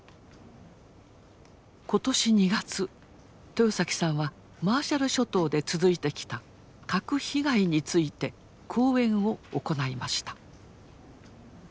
今年２月豊さんはマーシャル諸島で続いてきた核被害について講演を行いました。